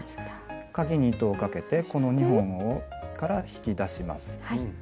かぎに糸をかけてこの２本から引き出します。